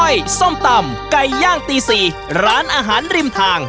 อ้อยส้มตำกข่าย่างตีสี่ร้านอาหารริมทาง